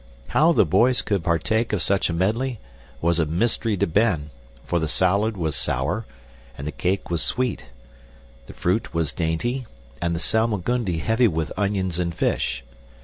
How the boys could partake of such a medley was a mystery to Ben, for the salad was sour, and the cake was sweet; the fruit was dainty, and the salmagundi heavy with onions and fish.